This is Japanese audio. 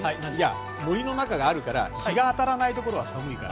森の中があるから日が当たらないところは寒いから。